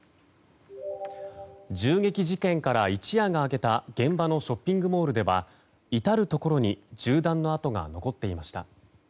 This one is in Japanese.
銃撃事件から一夜が明けた現場のショッピングモールでは至るところに銃弾の痕が残っていました。